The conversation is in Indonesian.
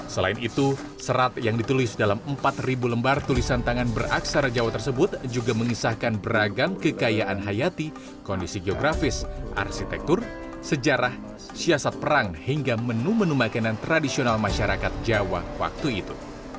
selain itu serat yang ditulis dalam empat lembar tulisan tangan beraksara jawa tersebut juga mengisahkan beragam kekayaan hayati kondisi geografis arsitektur sejarah siasat perang hingga menu menu makanan tradisional masyarakat jawa waktu itu